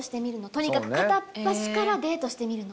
とにかく片っ端からデートしてみるの。